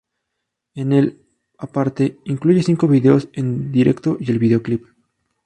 En el, aparte, incluyen cinco vídeos en directo y el videoclip.